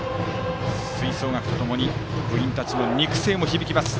吹奏楽とともに部員たちの肉声も響きます。